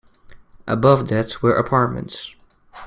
Above that were apartments.